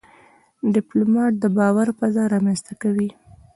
ډيپلومات د باور فضا رامنځته کوي.